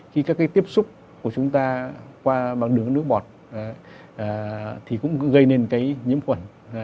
khi các cái tiếp xúc của chúng ta qua bằng đường nước bọt thì cũng gây nên cái nhiễm khuẩn